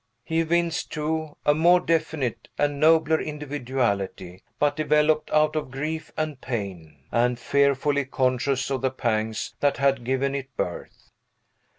He evinced, too, a more definite and nobler individuality, but developed out of grief and pain, and fearfully conscious of the pangs that had given it birth.